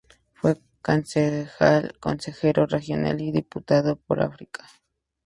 Fue concejal, consejero regional y diputado por Arica.